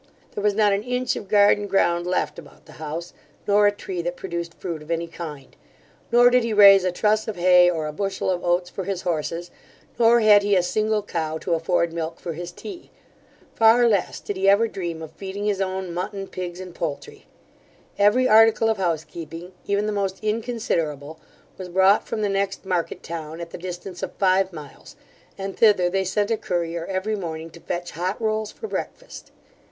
There was not an inch of garden ground left about the house, nor a tree that produced fruit of any kind; nor did he raise a truss of hay, or a bushel of oats for his horses, nor had he a single cow to afford milk for his tea; far less did he ever dream of feeding his own mutton, pigs, and poultry: every article of housekeeping, even the most inconsiderable, was brought from the next market town, at the distance of five miles, and thither they sent a courier every morning to fetch hot rolls for breakfast.